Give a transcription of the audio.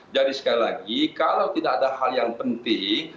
jadi sekali lagi kalau tidak ada hal yang penting